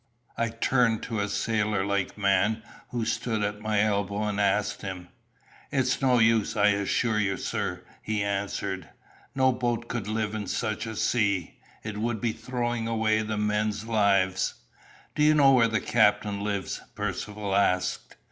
I turned to a sailor like man who stood at my elbow and asked him. "It's no use, I assure you, sir," he answered; "no boat could live in such a sea. It would be throwing away the men's lives." "Do you know where the captain lives?" Percivale asked.